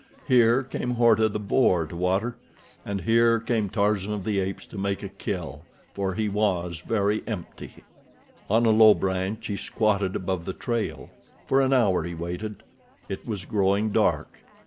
Here came Horta, the boar, to water, and here came Tarzan of the Apes to make a kill, for he was very empty. On a low branch he squatted above the trail. For an hour he waited. It was growing dark.